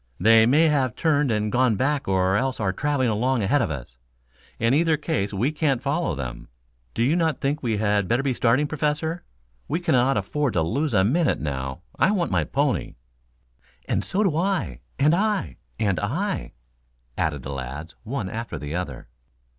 "They may have turned and gone back or else are traveling along ahead of us. In either case we can't follow them. Do you not think we had better be starting, Professor? We cannot afford to lose a minute now. I want my pony." "And so do I and I and I," added the lads, one after the other.